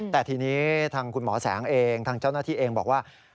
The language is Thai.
แต่ทีนี้ทางคุณหมอแสงเองทางเจ้าหน้าที่เองบอกว่า